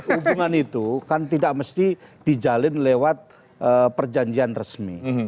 hubungan itu kan tidak mesti dijalin lewat perjanjian resmi